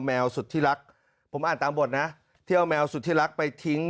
แมวสุดที่รักผมอ่านตามบทนะที่เอาแมวสุธิรักไปทิ้ง